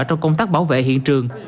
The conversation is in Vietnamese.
trong công tác bảo vệ hiện trường